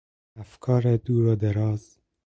افکار دور و دراز